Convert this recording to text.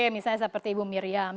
misalnya seperti ibu miriam